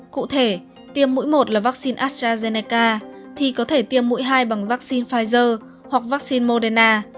cụ thể tiêm mũi một là vaccine astrazeneca thì có thể tiêm mũi hai bằng vaccine pfizer hoặc vaccine moderna